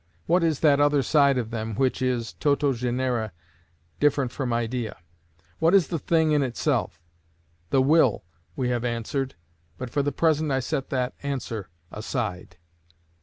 What is that other side of them which is toto genere different from idea? What is the thing in itself? The will, we have answered, but for the present I set that answer aside.